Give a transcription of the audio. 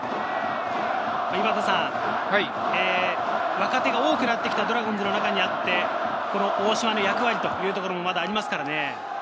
若手が多くなってきたドラゴンズの中にあって、大島の役割もまだありますからね。